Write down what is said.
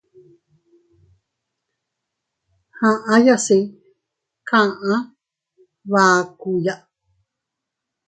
Aʼayase kaʼa bakuya.